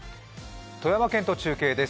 富山県と中継です。